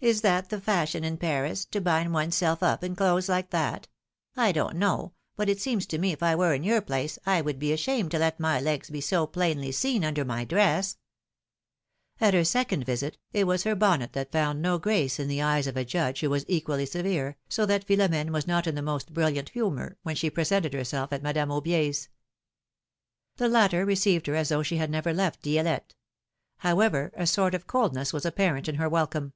^^Is that the fashion in Paris, to bind one's self up in clothes like that? I don't know, but it seems to me if I were in your place I would be ashamed to let my legs be so plainly seen under my dress !" At her second visit, it was her bonnet that found no grace in the eyes of a judge who was equally severe, so that Philom^ne was not in the most brilliant humor when she presented herself at Madame Aubier's. 288 philomI:ne's marriages. The latter received her as though she had never left Di6lette ; however, a sort of coldness was apparent in her welcome.